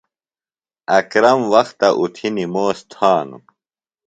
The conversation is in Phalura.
اکرم وختہ اُتھیۡ نِموس تھانوۡ۔